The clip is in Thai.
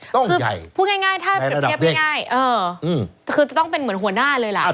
ต้องใหญ่ผิดระเบียบผิดระเบียบง่ายง่ายเอออืมคือจะต้องเป็นเหมือนหัวหน้าเลยล่ะ